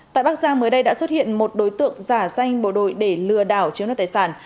tại bắc giang mới đây đã xuất hiện một đối tượng giả danh bộ đội để lừa đảo chiếu nọt tài sản